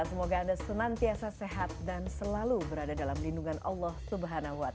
semoga anda senantiasa sehat dan selalu berada dalam lindungan allah swt